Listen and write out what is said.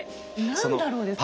「何だろう」ですよね。